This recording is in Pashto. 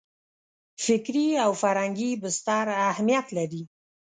فکري او فرهنګي بستر اهمیت لري.